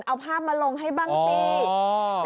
เอาภาพมาลงให้บ้างสิ